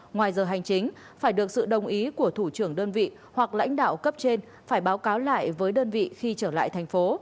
ngoài giờ hành chính phải được sự đồng ý của thủ trưởng đơn vị hoặc lãnh đạo cấp trên phải báo cáo lại với đơn vị khi trở lại thành phố